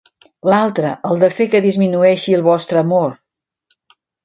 L'altre, el de fer que disminueixi el vostre amor…